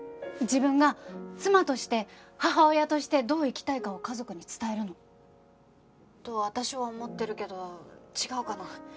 自分が妻として母親としてどう生きたいかを家族に伝えるの。と私は思ってるけど違うかな？